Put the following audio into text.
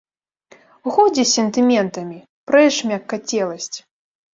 Годзе з сентыментамі, прэч мяккацеласць!